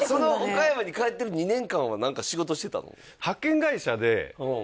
岡山に帰ってる２年間は何か仕事してたの？